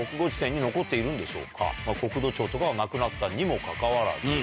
「国土庁」とかはなくなったにもかかわらず。